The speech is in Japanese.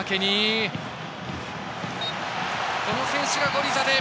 この選手がゴリザデー。